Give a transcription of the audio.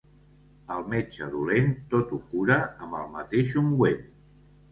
El metge dolent tot ho cura amb el mateix ungüent.